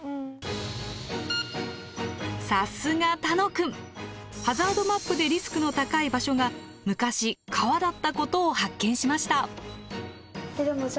さすが楽くんハザードマップでリスクの高い場所が昔川だったことを発見しました。